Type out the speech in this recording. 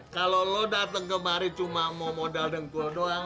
kalau lo datang kemari cuma mau modal dengkul doang